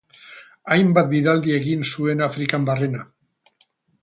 Hainbat bidaldi egin zuen Afrikan barrena.